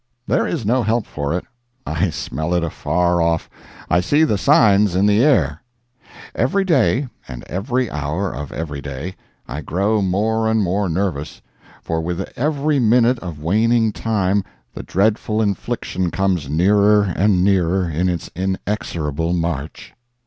There is no help for it. I smell it afar off—I see the signs in the air! Every day and every hour of every day I grow more and more nervous, for with every minute of waning time the dreadful infliction comes nearer and nearer in its inexorable march!